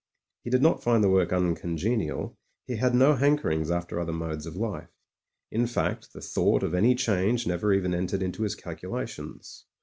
He did not find the work uncongenial; he had no hankerings after other modes of life — in fact the thought of any change never even entered into his calculations.